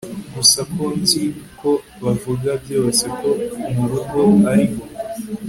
gusa ko nziko bavuga byose ko mu rugo ariho